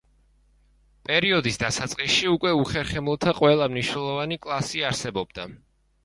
პერიოდის დასაწყისში უკვე უხერხემლოთა ყველა მნიშვნელოვანი კლასი არსებობდა.